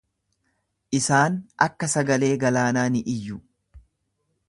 Isaan akka sagalee galaanaa ni iyya.